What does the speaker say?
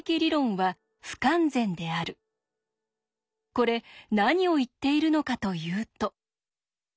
これ何を言っているのかというと。